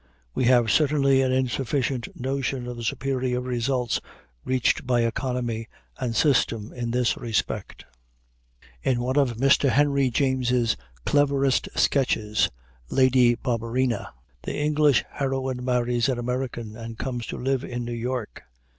We have certainly an insufficient notion of the superior results reached by economy and system in this respect. In one of Mr. Henry James's cleverest sketches, Lady Barberina, the English heroine marries an American and comes to live in New York.